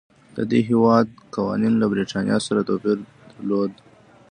د دې هېواد قوانینو له برېټانیا سره توپیر درلود.